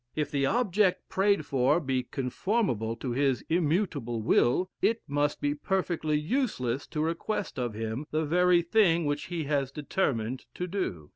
If the object prayed for be conformable to his immutable will, it must be perfectly useless to request of him the very thing which he has determined to do.